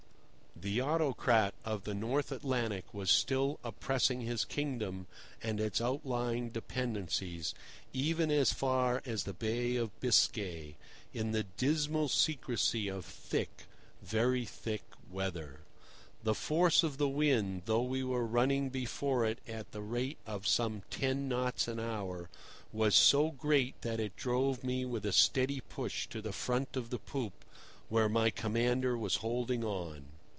The autocrat of the North Atlantic was still oppressing his kingdom and its outlying dependencies, even as far as the Bay of Biscay, in the dismal secrecy of thick, very thick, weather. The force of the wind, though we were running before it at the rate of some ten knots an hour, was so great that it drove me with a steady push to the front of the poop, where my commander was holding on.